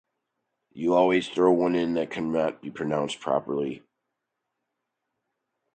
It is also associated with pemphigus vulgaris.